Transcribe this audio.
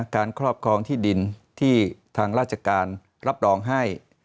ครอบครองที่ดินที่ทางราชการรับรองให้